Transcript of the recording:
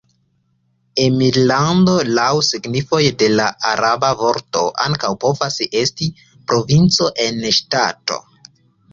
Emirlando, laŭ signifoj de la araba vorto, ankaŭ povas esti provinco en ŝtato.